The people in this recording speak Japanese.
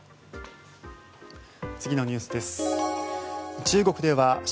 次のニュースです。